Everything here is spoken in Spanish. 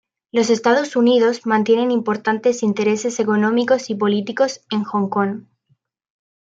Los Estados Unidos mantienen importantes intereses económicos y políticos en Hong Kong.